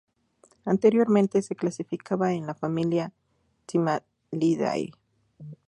Anteriormente se clasificaba en la familia Timaliidae.